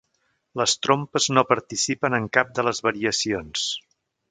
Les trompes no participen en cap de les variacions.